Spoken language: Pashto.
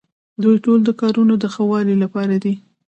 دوی ټول د کارونو د ښه والي لپاره دي.